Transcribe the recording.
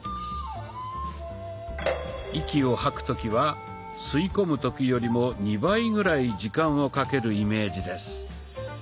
息を吐く時は吸い込む時よりも２倍ぐらい時間をかけるイメージです。